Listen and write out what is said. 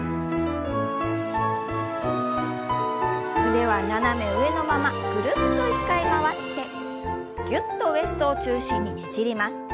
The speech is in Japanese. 腕は斜め上のままぐるっと１回回ってぎゅっとウエストを中心にねじります。